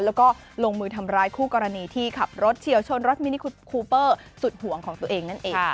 แล้วก็ลงมือทำร้ายคู่กรณีที่ขับรถเฉียวชนรถมินิคูเปอร์สุดห่วงของตัวเองนั่นเอง